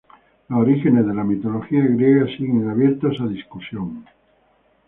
Los orígenes de la mitología Griega siguen abiertos a discusión.